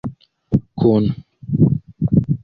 kun